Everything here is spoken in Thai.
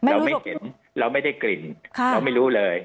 เราไม่เห็นเราไม่ได้กลิ่นเราไม่รู้เลย